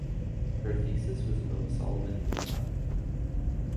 Her thesis was about Solomon Northup.